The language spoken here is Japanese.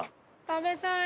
食べたい。